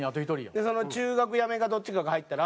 でその中学辞めかどっちかが入ったら。